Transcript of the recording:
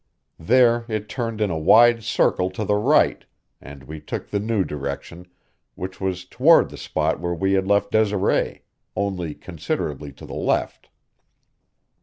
There it turned in a wide circle to the right, and we took the new direction, which was toward the spot where we had left Desiree, only considerably to the left.